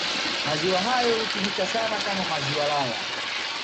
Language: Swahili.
Maziwa hayo hutumika sana kama maziwa lala